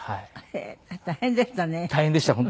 へえ大変でしたね。